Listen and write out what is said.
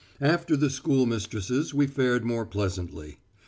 After the school mistresses we fared more pleasantly.